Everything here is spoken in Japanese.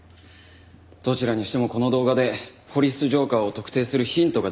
どちらにしてもこの動画で「ポリス浄化ぁ」を特定するヒントが出ました。